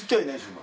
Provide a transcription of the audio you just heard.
今。